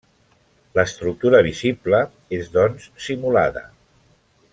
L'estructura visible és doncs simulada.